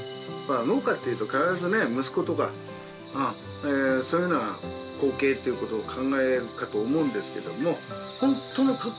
農家っていうと必ずね息子とかそういうのが後継っていう事を考えるかと思うんですけども。